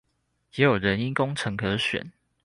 也有人因工程可選